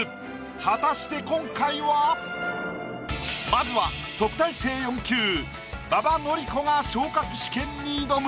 果たして今回は⁉まずは特待生４級馬場典子が昇格試験に挑む。